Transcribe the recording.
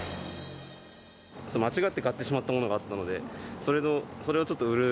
間違って買ってしまったものがあったので、それをちょっと売る。